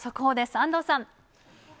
安藤さん。